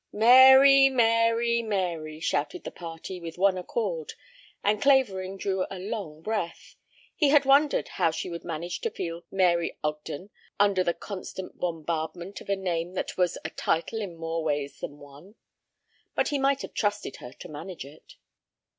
"Mary! Mary! Mary!" shouted the party with one accord, and Clavering drew a long breath. He had wondered how she would manage to feel Mary Ogden under the constant bombardment of a name that was a title in more ways than one. But he might have trusted her to manage it!'